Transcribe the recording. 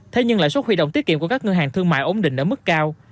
thế nhưng lãi suất huy động tiết kiệm của các ngân hàng thương mại ổn định ở mức cao